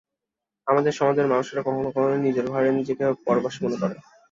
আমাদের সমাজের মানুষেরা কখনো কখনো নিজের ঘরে নিজেকে পরবাসী মনে করে।